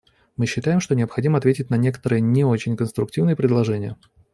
Мы считаем, что необходимо ответить на некоторые не очень конструктивные предложения.